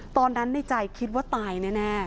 ตอนนั้นในใจคิดว่าตายแน่